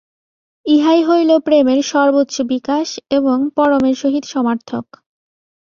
ইহাই হইল প্রেমের সর্বোচ্চ বিকাশ এবং পরমের সহিত সমার্থক।